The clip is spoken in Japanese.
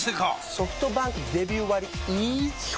ソフトバンクデビュー割イズ基本